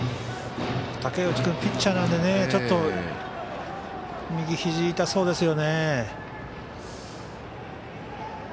武内君、ピッチャーなのでちょっと右ひじ痛そうですよね。